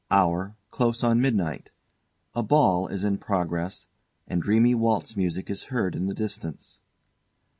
Hour, close on midnight. A ball is in progress, and dreamy waltz music is heard in the distance.